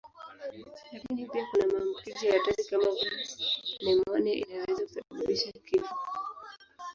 Lakini pia kuna maambukizi ya hatari kama vile nimonia inayoweza kusababisha kifo.